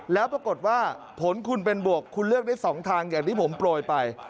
แล้วปรากฏว่าผลคุณเป็นบวกคุณเลือกได้๒ทางอย่างที่ผมโปรยไป